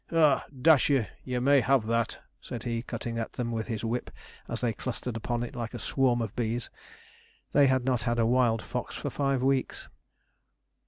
'Ah! dash ye, you may have that,' said he, cutting at them with his whip as they clustered upon it like a swarm of bees. They had not had a wild fox for five weeks.